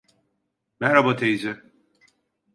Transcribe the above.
Merhaba teyze.